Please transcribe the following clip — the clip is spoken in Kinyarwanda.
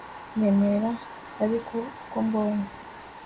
nemera ari uko mbonye